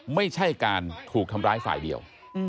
ไม่ใช่การถูกทำร้ายฝ่ายเดียว